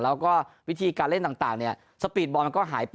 แล้วก็วิธีการเล่นต่างเนี่ย